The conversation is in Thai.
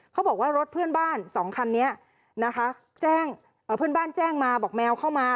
เขาบอกว่ารถเพื่อนบ้านสองคันนี้นะคะแจ้งเพื่อนบ้านแจ้งมาบอกแมวเข้ามา